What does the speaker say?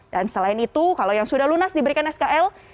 dan selain itu kalau yang sudah lunas diberikan skl